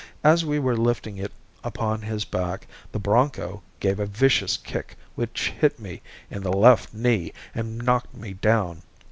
As we were lifting it upon his back the bronco gave a vicious kick which hit me in the left knee and knocked me down.